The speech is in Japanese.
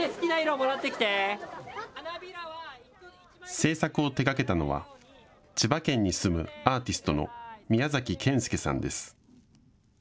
制作を手がけたのは千葉県に住むアーティストのミヤザキケンスケさんです。